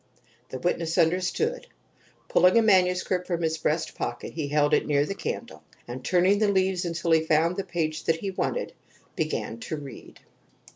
The witness understood. Pulling a manuscript from his breast pocket he held it near the candle, and turning the leaves until he found the passage that he wanted, began to read.